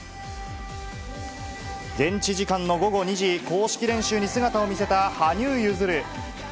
現地時間の午後２時、公式練習に姿を見せた羽生結弦。